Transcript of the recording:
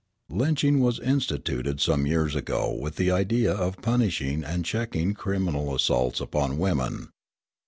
Lynching was instituted some years ago with the idea of punishing and checking criminal assaults upon women.